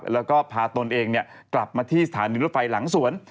แล้วก็พาตนเองกลับมาที่สถานีรถไฟหลังสวน